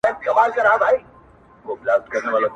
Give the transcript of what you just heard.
زه لا اوس روانېدمه د توپان استازی راغی،